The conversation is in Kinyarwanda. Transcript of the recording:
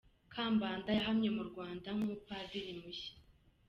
Kambanda yahamye mu Rwanda nk’umupadiri mushya.